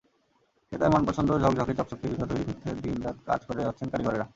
ক্রেতার মনপছন্দ ঝকঝকে চকচকে জুতা তৈরি করতে দিন-রাত কাজ করে যাচ্ছেন কারিগরেরা।